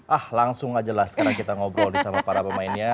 ah langsung aja lah sekarang kita ngobrol sama para pemainnya